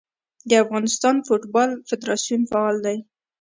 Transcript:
د افغانستان فوټبال فدراسیون فعال دی.